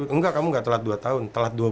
enggak kamu gak telat dua tahun telat